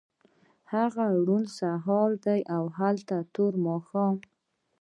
هلته روڼ سهار دی او دلته تور ماښام